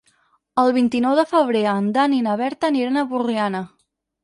El vint-i-nou de febrer en Dan i na Berta aniran a Borriana.